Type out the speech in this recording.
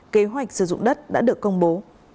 kế hoạch sử dụng đất đã được công bố